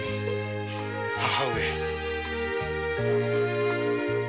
母上。